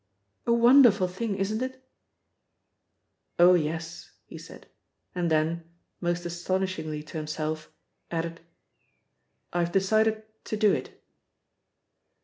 "A wonderful thing, isn't it?" "Oh, yes," he said; and then, most astonishingly to himself, added: "I've decided to do it."